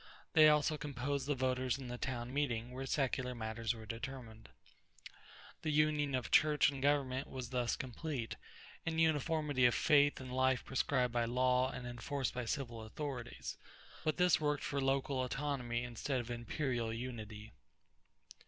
They also composed the voters in the town meeting, where secular matters were determined. The union of church and government was thus complete, and uniformity of faith and life prescribed by law and enforced by civil authorities; but this worked for local autonomy instead of imperial unity.